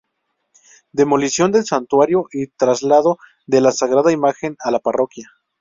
Demolición del Santuario y traslado de la Sagrada Imagen a la Parroquia.